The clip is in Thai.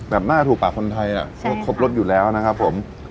แบบมาถูกปากคนไทยอ่ะก็ครบรสอยู่แล้วนะครับผมใช่ค่ะ